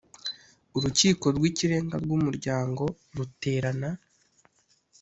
Urukiko rw ikirenga rw umuryango ruterana